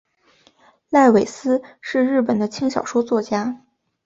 濑尾司是日本的轻小说作家。